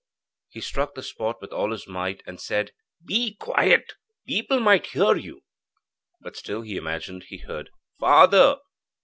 He struck the spot with all his might and said: 'Be quiet people might hear you.' But still he imagined he heard 'Father.'